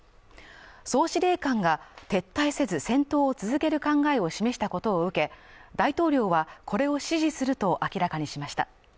総司令官が撤退せず戦闘を続ける考えを示したことを受け、大統領はこれを支持すると明らかにしました。